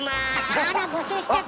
あら募集しちゃった！